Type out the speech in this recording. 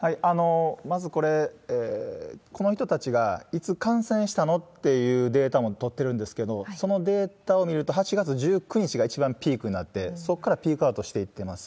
まずこれ、この人たちがいつ感染したの？っていうデータも取ってるんですけど、そのデータを見ると、８月１９日が一番ピークになって、そこからピークアウトしていってます。